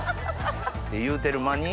言うてる間に？